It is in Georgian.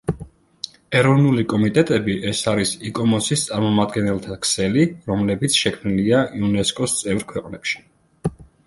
ეროვნული კომიტეტები ეს არის იკომოსის წარმომადგენელთა ქსელი, რომლებიც შექმნილია იუნესკოს წევრ ქვეყნებში.